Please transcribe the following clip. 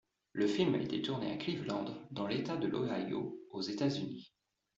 Le film a été tourné à Cleveland dans l'État de l'Ohio aux États-Unis.